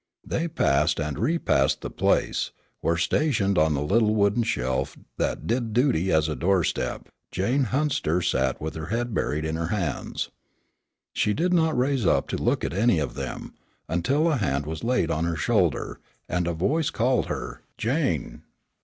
They passed and repassed the place, where stationed on the little wooden shelf that did duty as a doorstep, Jane Hunster sat with her head buried in her hands. She did not raise up to look at any of them, until a hand was laid on her shoulder, and a voice called her, "Jane!"